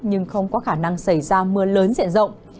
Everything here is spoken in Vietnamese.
nhưng không có khả năng xảy ra mưa lớn diện rộng